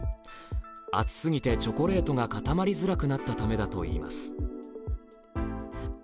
暑すぎてチョコレートが固まりづらくなったためだといいます。